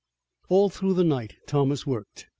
All through the night Thomas worked.